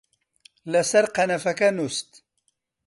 لەسەر قەنەفەکە نووست